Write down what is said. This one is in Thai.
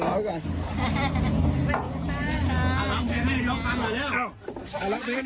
ขอบคุณนะครับพี่น้อง